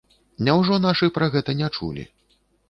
Няўжо нашы пра гэта не чулі?